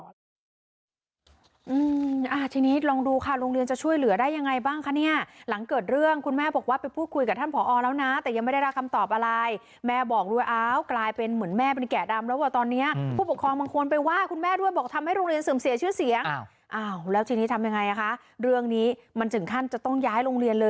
อืมอ่าทีนี้ลองดูค่ะโรงเรียนจะช่วยเหลือได้ยังไงบ้างคะเนี่ยหลังเกิดเรื่องคุณแม่บอกว่าไปพูดคุยกับท่านผอแล้วนะแต่ยังไม่ได้รักคำตอบอะไรแม่บอกด้วยอ้าวกลายเป็นเหมือนแม่เป็นแก่ดำแล้วว่าตอนเนี้ยผู้ปกครองบางคนไปว่าคุณแม่ด้วยบอกทำให้โรงเรียนเสื่อมเสียชื่อเสียงอ่าวแล้วทีนี้ทำยังไง